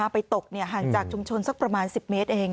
ไปตกห่างจากชุมชนสักประมาณ๑๐เมตรเอง